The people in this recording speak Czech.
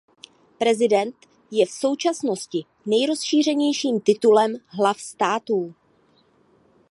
Prezident je v současnosti nejrozšířenějším titulem hlav států.